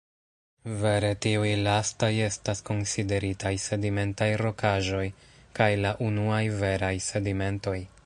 Vere tiuj lastaj estas konsideritaj sedimentaj rokaĵoj kaj la unuaj veraj sedimentoj.